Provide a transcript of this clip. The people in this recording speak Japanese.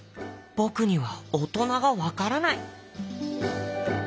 「ぼくにはおとながわからない！」。